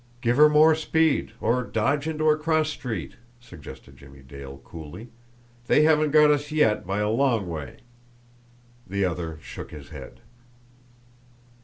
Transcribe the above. "Give her more speed or dodge into a cross street!" suggested Jimmie Dale coolly. "They haven't got us yet, by a long way!" The other shook his head.